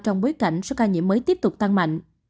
trong bối cảnh số ca nhiễm mới tiếp tục tăng mạnh